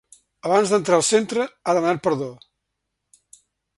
Abans d’entrar al centre, ha demanat perdó.